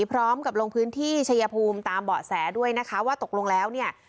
พร้อมกับลงพื้นที่ชายภูมิตามเบาะแสด้วยนะคะว่าตกลงแล้วเนี่ย